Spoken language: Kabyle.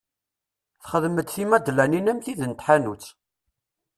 Texdem-d timadlanin am tid n tḥanut.